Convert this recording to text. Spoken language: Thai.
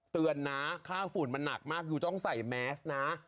เตือนนะค่าฝุ่นมันหนักมากคือต้องใส่แมสนะ